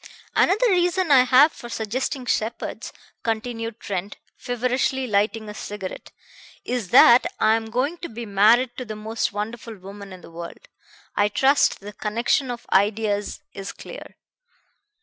"Another reason I have for suggesting Sheppard's," continued Trent, feverishly lighting a cigarette, "is that I am going to be married to the most wonderful woman in the world. I trust the connection of ideas is clear."